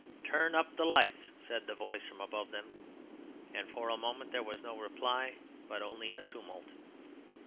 "Turn up the lights," said the voice from above them, and for a moment there was no reply, but only a tumult.